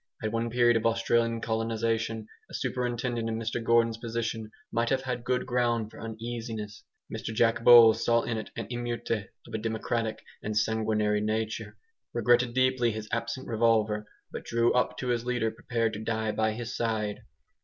At one period of Australian colonisation a superintendent in Mr Gordon's position might have had good ground for uneasiness. Mr Jack Bowles saw in it an EMEUTE of a democratic and sanguinary nature, regretted deeply his absent revolver, but drew up to his leader prepared to die by his side.